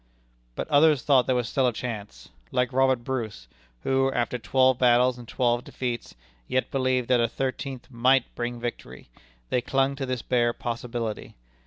But others thought there was still a chance. Like Robert Bruce, who, after twelve battles and twelve defeats, yet believed that a thirteenth might bring victory, they clung to this bare possibility.